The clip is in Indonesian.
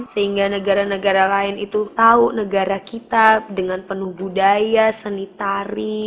sehingga negara negara lain itu tahu negara kita dengan penuh budaya seni tari